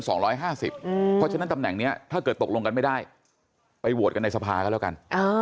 เพราะฉะนั้นตำแหน่งนี้ถ้าเกิดตกลงกันไม่ได้ไปโหวตกันในสภาก็แล้วกัน